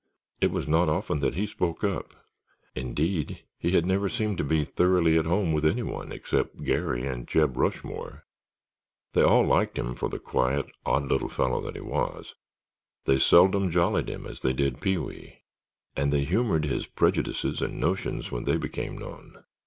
It was not often that he spoke up. Indeed, he had never seemed to be thoroughly at home with anyone except Garry and Jeb Rushmore. They all liked him for the quiet, odd little fellow that he was. They seldom jollied him as they did Pee wee and they humored his prejudices and notions when those became known.